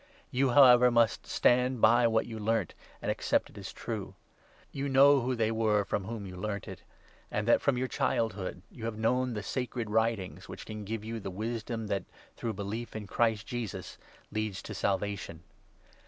You, however, 14 must stand by what you learnt and accepted as true. You 15 know who they were from whom you learnt it ; and that, from your childhood, you have known the Sacred Writings, which can give you the wisdom that, through belief in Christ Jesus, leads to Salvation.